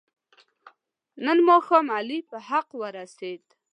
نن ماښام علي په حق ورسید.